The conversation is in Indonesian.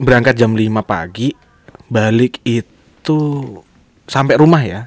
berangkat jam lima pagi balik itu sampai rumah ya